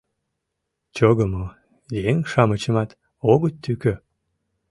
Чогымо еҥ-шамычымат огыт тӱкӧ.